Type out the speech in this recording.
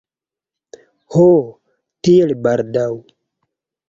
Ho, tiel baldaŭ!